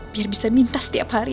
biar bisa minta setiap hari